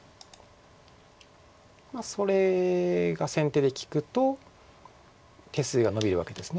それが先手で利くと手数がのびるわけです。